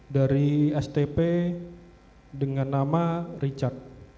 dua ratus delapan puluh dari stp dengan nama richard